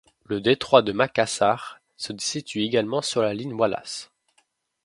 Le détroit de Macassar se situe également sur la ligne Wallace.